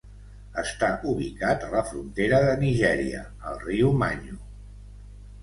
Està ubicat a la frontera de Nigèria, al riu Manyu.